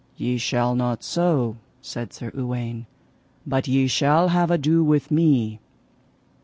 Ye shall not so, said Sir Uwaine, but ye shall have ado with me.